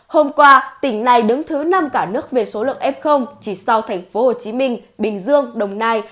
hôm qua tỉnh này đứng thứ năm cả nước về số lượng f chỉ sau thành phố hồ chí minh bình dương đồng nai